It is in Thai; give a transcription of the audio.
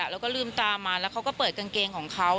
แล้วก็ลืมตามาแล้วเขาก็เปิดกางเกงของเขา